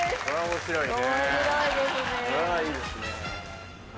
面白いですね。